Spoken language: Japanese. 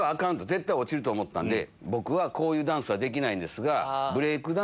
絶対落ちると思ったんで僕はこういうダンスはできないんですが。